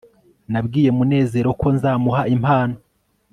nabwiye munezero ko nzamuha impano